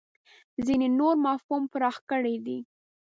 ځینې نور مفهوم پراخ کړی دی.